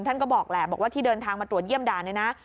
ท่านก็บอกแหละบอกว่าที่เดินทางมาตรวจเยี่ยมด่านเนี่ยนะ